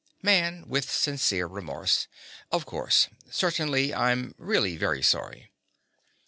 MAN. (with sincere remorse). Of course. Certainly. I'm really very sorry.